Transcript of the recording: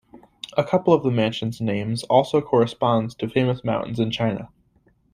A couple of the mansion's names also corresponds to famous mountains in China.